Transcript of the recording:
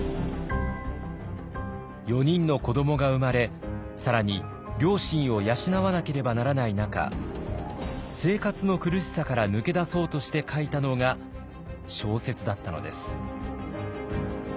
４人の子どもが生まれ更に両親を養わなければならない中生活の苦しさから抜け出そうとして書いたのが小説だったのです。